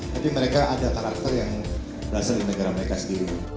tapi mereka ada karakter yang berasal dari negara mereka sendiri